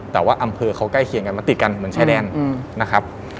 แต่ว่าอำเภอเขาใกล้เคียงกันมันติดกันเหมือนชายแดนนะครับ